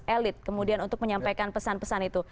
elit kemudian untuk menyampaikan pesan pesan itu